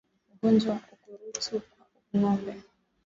Ugonjwa wa ukurutu kwa ngombe